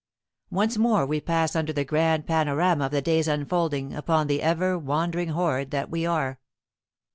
Once more we pass under the grand panorama of the day's unfolding upon the ever wandering horde that we are.